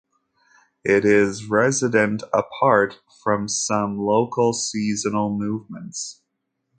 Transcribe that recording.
It is resident apart from some local seasonal movements.